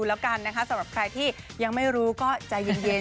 ผมก็โชคดีจะออกมาเคลียร์เร็วเพราะออกมาเคลียร์เร็ว